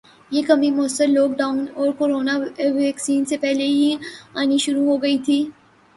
یہ کمی موثر لوک ڈاون اور کورونا ویکسین سے پہلے ہی آنی شروع ہو گئی تھی